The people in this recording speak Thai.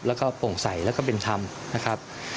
แล้วก็โปร่งใสแล้วก็เป็นธรรมนะครับ